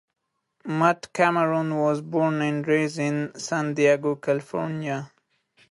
Matt Cameron was born and raised in San Diego, California.